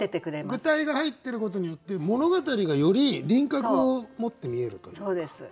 具体が入ってることによって物語がより輪郭を持って見えるというか。